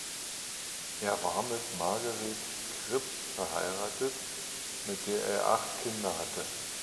Er war mit Margaret Cripps verheiratet, mit der er acht Kinder hatte.